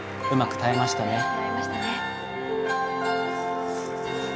うまく耐えましたね。